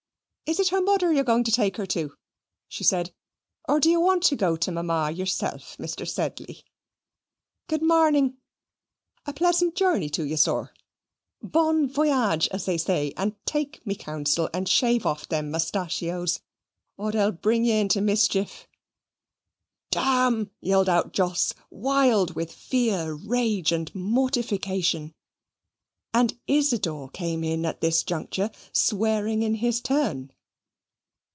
"Is it her mother you're going to take her to?" she said; "or do you want to go to Mamma yourself, Mr. Sedley? Good marning a pleasant journey to ye, sir. Bon voyage, as they say, and take my counsel, and shave off them mustachios, or they'll bring you into mischief." "D n!" yelled out Jos, wild with fear, rage, and mortification; and Isidor came in at this juncture, swearing in his turn.